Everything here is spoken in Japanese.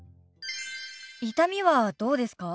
痛みはどうですか？